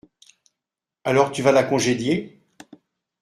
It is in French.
Alors tu vas la congédier ?